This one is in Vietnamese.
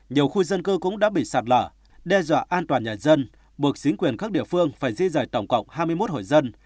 nhiều khu dân cư cũng đã bị sạt lở đe dọa an toàn nhà dân buộc chính quyền các địa phương phải di rời tổng cộng hai mươi một hội dân